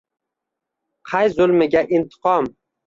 Qay zulmiga intiqom —